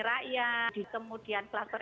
rakyat kemudian kluster